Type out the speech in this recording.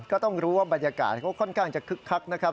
ก็ต้องรู้ว่าบรรยากาศเขาค่อนข้างจะคึกคักนะครับ